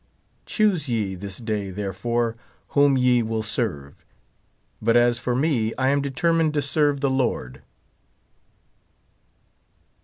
Choose ye this day, therefore, wliom ye will serve ; but as for me, I am determined to serve the Lord.